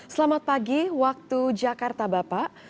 selamat pagi waktu jakarta bapak